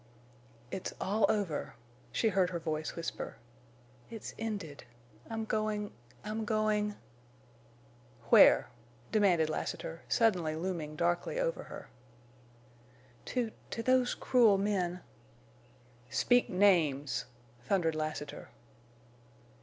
"It's all over," she heard her voice whisper. "It's ended. I'm going—I'm going—" "Where?" demanded Lassiter, suddenly looming darkly over her. "To—to those cruel men—" "Speak names!" thundered Lassiter.